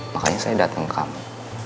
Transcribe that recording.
makanya saya datang ke kamu